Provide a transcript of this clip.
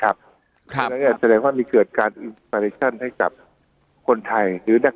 ครับครับแต่แน่งว่ามีเกิดการให้จับคนไทยหรือนัก